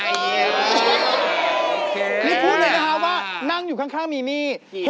นี่พูดเลยนะคะว่านั่งอยู่ข้างมีมีด